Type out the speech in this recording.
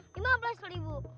lima puluh ribu